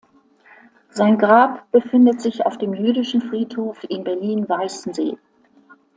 Sein Grab befindet sich auf dem Jüdischen Friedhof in Berlin-Weißensee.